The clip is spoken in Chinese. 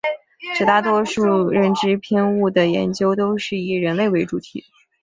绝大多数关于认知偏误的研究都是以人类为主体。